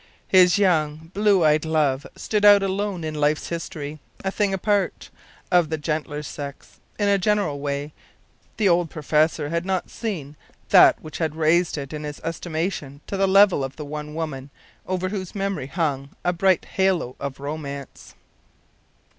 His young, blue eyed love stood out alone in life’s history, a thing apart. Of the gentler sex, in a general way, the old professor had not seen that which had raised it in his estimation to the level of the one woman over whose memory hung a bright halo of romance.